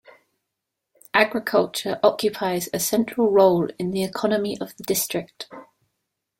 Agriculture occupies a central role in the economy of the district.